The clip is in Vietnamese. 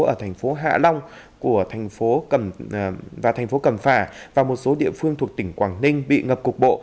ở thành phố hạ long và thành phố cầm phả và một số địa phương thuộc tỉnh quảng ninh bị ngập cục bộ